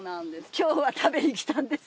今日は食べにきたんです。